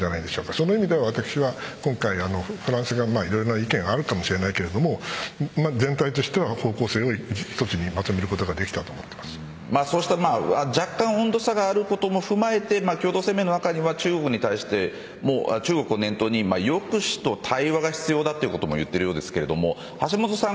その意味では私は今回フランスがいろいろな意見あるかもしれませんが全体としては方向性を一つにまとめることがそうした若干温度差があることも含めて共同声明の中で中国に対して中国を念頭に抑止と対話が必要だということも言っているようですが橋下さん